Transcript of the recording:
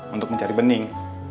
untuk mencari bening